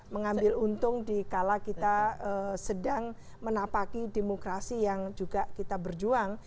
mengambil untung dikala kita sedang menapaki demokrasi yang juga kita berjuang